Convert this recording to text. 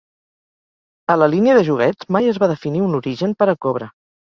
A la línia de joguets mai es va definir un origen per a Cobra.